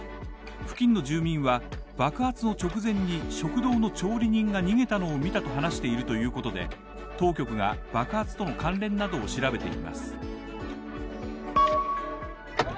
付近の住民は、爆発の直前に食堂の調理人が逃げたのを見たと話しているということで、当局が爆発との関連などを調べています。